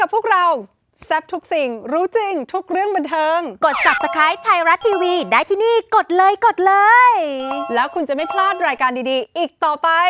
เพราะว่าที่ฉันแอบเปิดอินสตาแกรมดูเมื่อกี้นี่เอง